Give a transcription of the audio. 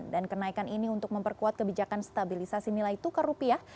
dan kenaikan ini untuk memperkuat kebijakan stabilisasi nilai tukar rupiah